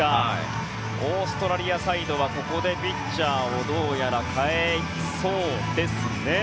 オーストラリアサイドはここでピッチャーをどうやら代えそうですね。